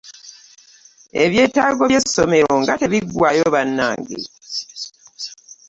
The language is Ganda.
Ebyetaago by'essomero nga tebiggwaayo bannange!